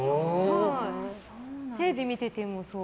テレビ見てても、そう。